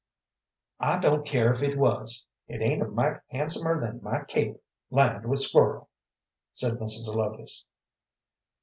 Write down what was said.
"I don't care if it was, it ain't a mite handsomer than my cape lined with squirrel," said Mrs. Zelotes.